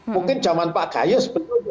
mungkin zaman pak gayus